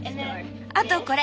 あとこれ。